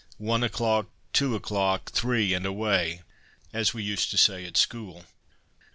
One o'clock, two o'clock, three and away,' as we used to say at school.